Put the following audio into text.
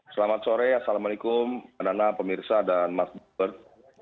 selamat sore assalamualaikum mbak nana pemirsa dan mas burd